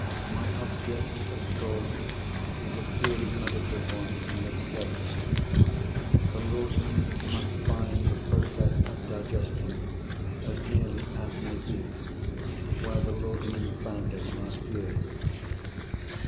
My object, of course, is a purely medical one in this case. The laudanum must find the process of digestion, as nearly as may be, where the laudanum found it last year.